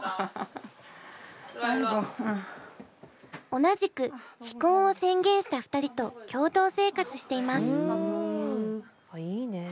同じく非婚を宣言した２人と共同生活しています。